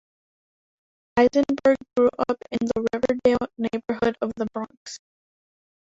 Eisenberg grew up in the Riverdale neighborhood of the Bronx.